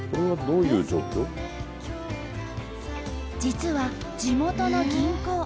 実は地元の銀行。